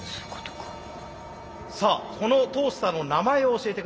さあこのトースターの名前を教えて下さい。